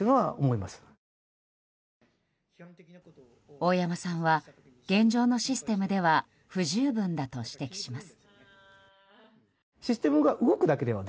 大山さんは現状のシステムでは不十分だと指摘します。